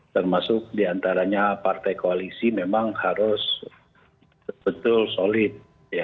termasuk diantaranya partai koalisi memang harus betul solid ya